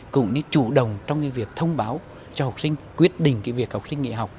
cũng như chủ động trong việc thông báo cho học sinh quyết định việc học sinh nghỉ học